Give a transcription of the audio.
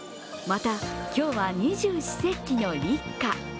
また、今日は二十四節気の立夏。